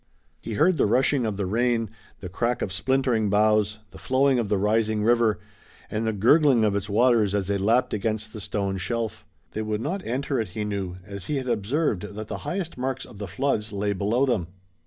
He heard the rushing of the rain, the crack of splintering boughs, the flowing of the rising river, and the gurgling of its waters as they lapped against the stone shelf. They would not enter it he knew, as he had observed that the highest marks of the floods lay below them.